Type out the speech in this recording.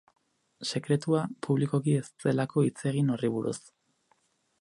Sekretua, publikoki ez delako hitz egin horri buruz.